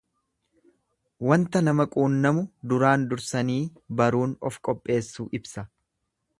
Wanta nama qunnamu duraan dursanii baruun of qopheessuu ibsa.